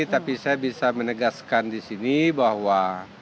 tapi saya bisa menegaskan di sini bahwa